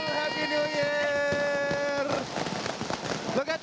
lihat ini sangat indah